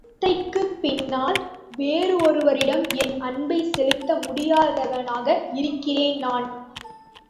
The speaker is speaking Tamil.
தத்தைக்குப் பின்னால் வேறொருவரிடம் என் அன்பைச் செலுத்த முடியாதவனாக இருக்கிறேன் நான்!